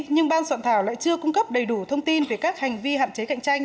nhưng ban soạn thảo lại chưa cung cấp đầy đủ thông tin về các hành vi hạn chế cạnh tranh